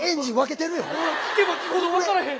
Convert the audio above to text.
聞けば聞くほど分からへん！